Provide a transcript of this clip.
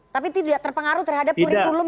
tapi tidak terpengaruh terhadap kurikulum